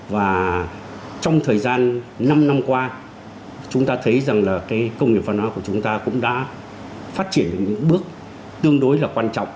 và trong thời gian năm năm qua chúng ta thấy rằng là cái công nghiệp văn hóa của chúng ta cũng đã phát triển được những bước tương đối là quan trọng